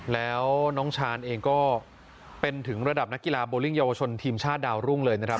แล้วน้องชาญเองก็เป็นถึงระดับนักกีฬาโบลิ่งเยาวชนทีมชาติดาวรุ่งเลยนะครับ